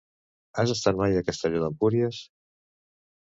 Has estat mai a Castelló d'Empúries?